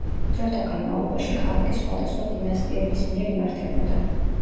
დროთა განმავლობაში ქალაქი სხვადასხვა დინასტიების მიერ იმართებოდა.